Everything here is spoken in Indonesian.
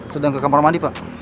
sedang ke kamar mandi pak